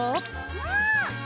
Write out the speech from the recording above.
うん！